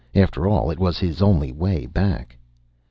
After all, it was his only way back.